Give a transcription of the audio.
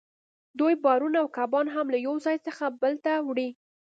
دوی بارونه او کبان هم له یو ځای څخه بل ته وړي